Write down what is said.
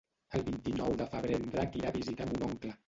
El vint-i-nou de febrer en Drac irà a visitar mon oncle.